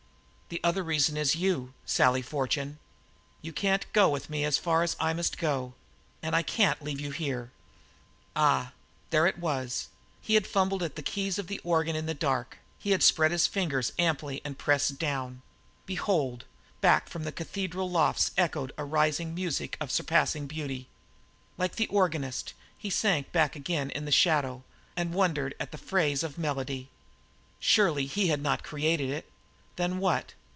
"The other reason is you, Sally Fortune. You can't go with me as far as I must go; and I can't leave you behind." Ah, there it was! He had fumbled at the keys of the organ in the dark; he had spread his fingers amply and pressed down; behold, back from the cathedral lofts echoed a rising music of surpassing beauty. Like the organist, he sank back again in the shadow and wondered at the phrase of melody. Surely he had not created it? Then what?